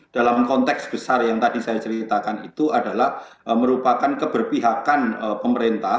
dalam konteks besar yang tadi saya ceritakan itu adalah merupakan keberpihakan pemerintah